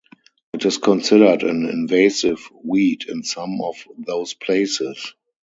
It is considered an invasive weed in some of those places.